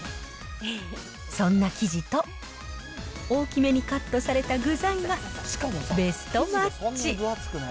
そんな生地と、大きめにカットされた具材がベストマッチ。